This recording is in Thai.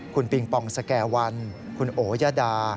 คุณปิงปองสแก่วันคุณโอยาดา